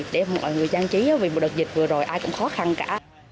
để mọi người trang trí vì một đợt dịch vừa rồi ai cũng khó khăn cả